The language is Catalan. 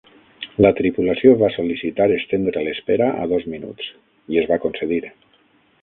La tripulació va sol·licitar estendre l'espera a dos minuts, i es va concedir.